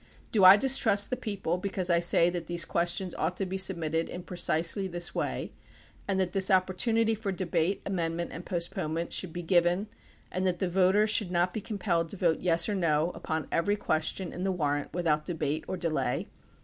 Do I distrust the people because I say that these questions ought to be submitted in precisely this way and that this op portunity for debate, amendment, and postponement should be given and that the voter should not be com pelled to vote "yes" or "no" upon every question in the warrant without debate or delay